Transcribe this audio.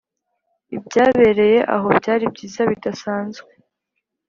ibyabereye aho byari byiza bidasanzwe.